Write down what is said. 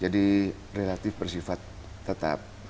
jadi relatif persifat tetap